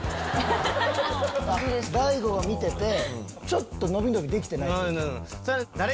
大悟が見ててちょっと伸び伸びできてない。